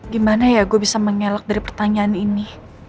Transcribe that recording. gimana ya gue bisa mengelak dari pertanyaan ini